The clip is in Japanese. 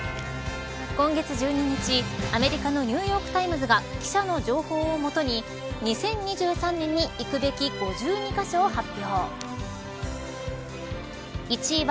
今月１２日アメリカのニューヨーク・タイムズが記者の情報をもとに２０２３年に行くべき５２カ所を発表。